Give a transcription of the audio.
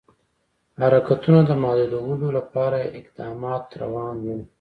حرکتونو د محدودولو لپاره اقدامات روان وه.